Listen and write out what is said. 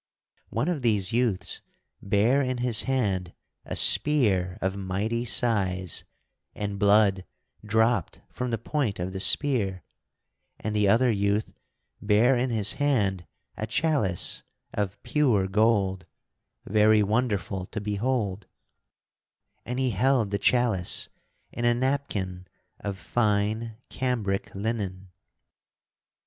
One of these youths bare in his hand a spear of mighty size, and blood dropped from the point of the spear; and the other youth bare in his hand a chalice of pure gold, very wonderful to behold, and he held the chalice in a napkin of fine cambric linen.